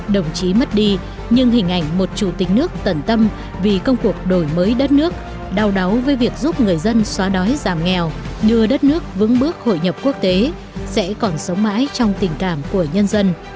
đồng chí mất đi nhưng hình ảnh một chủ tịch nước tận tâm vì công cuộc đổi mới đất nước đau đáu với việc giúp người dân xóa đói giảm nghèo đưa đất nước vững bước hội nhập quốc tế sẽ còn sống mãi trong tình cảm của nhân dân